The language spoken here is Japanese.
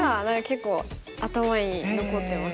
結構頭に残ってます。